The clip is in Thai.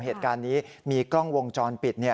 เหตุการณ์นี้มีกล้องวงจรปิด